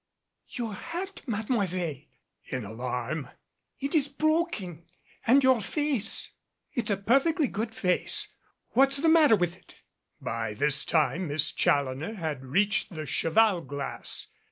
"Your hat, Mademoiselle," in alarm, "it is broken, and your face " "It's a perfectly good face. What's the matter with it?" By this time Miss Challoner had reached the cheval glass.